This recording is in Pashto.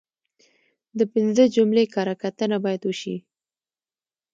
د پنځه جملې کره کتنه باید وشي.